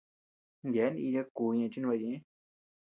Yeabean icha kú ñeʼe chinbaʼa ñeʼë.